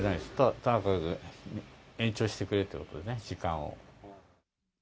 ただ延長してくれっていうことでね、時間を。